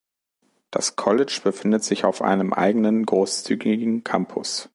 Das College befindet sich auf einem eigenen großzügigen Campus.